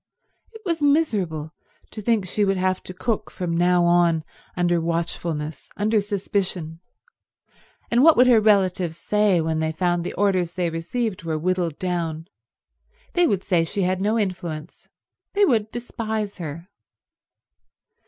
It was miserable to think she would have to cook from now on under watchfulness, under suspicion; and what would her relations say when they found the orders they received were whittled down? They would say she had no influence; they would despise her.